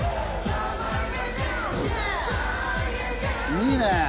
いいね！